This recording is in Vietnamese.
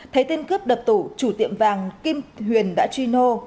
thấy tên cướp đập tủ chủ tiệm vàng kim huyền đã truy nô